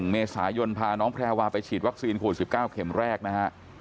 ๑เมษายนพาน้องแพรวาไปฉีดวัคซีนโควิด๑๙เข็มแรกนะฮะ